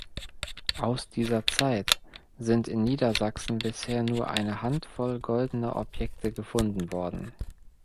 Aus dieser Zeit sind in Niedersachsen bisher nur eine Handvoll goldener Objekte gefunden worden.